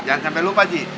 jangan sampe lupa ji